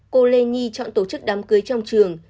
cô lê nhi chọn tổ chức đám cưới trong trường